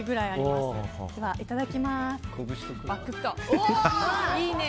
では、いただきます。